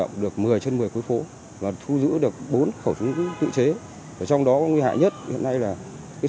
bộ một mươi trên một mươi khối phố và thu giữ được bốn khẩu súng tự chế ở trong đó nguy hại nhất hiện nay là cái